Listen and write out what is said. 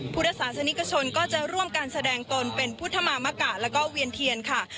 พุทธศาสนิกชนก็จะร่วมการแสดงตนเป็นพุทธมามกะแล้วก็เวียนเทียนค่ะ